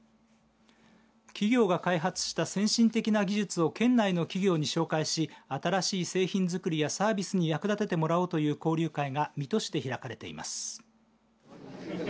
企業が開発した先進的な技術を県内の企業に紹介し新しい製品作りやサービスに役立ててもらおうという交流会が水戸市で開かれています。